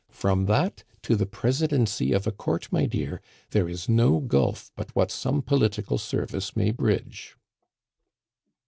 From that to the Presidency of a court, my dear, there is no gulf but what some political service may bridge."